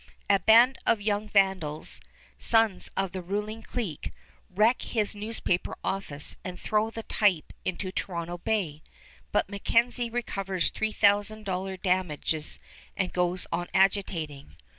A band of young vandals, sons of the ruling clique, wreck his newspaper office and throw the type into Toronto Bay, but MacKenzie recovers $3000 damages and goes on agitating.